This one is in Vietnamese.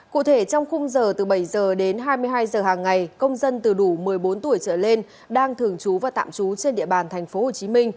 cụ thể trong khung giờ từ bảy h đến hai mươi hai h hàng ngày công dân từ đủ một mươi bốn tuổi trở lên đang thường trú và tạm trú trên địa bàn tp hcm